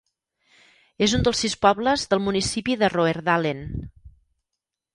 És un dels sis pobles del municipi de Roerdalen.